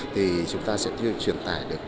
thì chúng ta sẽ truyền tải được